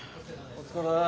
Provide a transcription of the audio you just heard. お疲れ。